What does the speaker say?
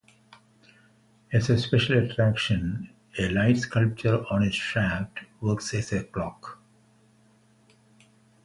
As a special attraction, a light sculpture on its shaft works as a clock.